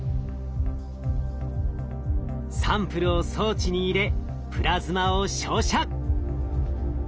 サンプルを装置に入れプラズマを照射！